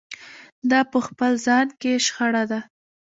دا په خپل ځان کې شخړه ده.